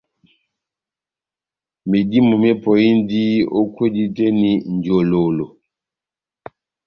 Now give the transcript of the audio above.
Medímo mepɔhindi o kwedi tɛh eni njololo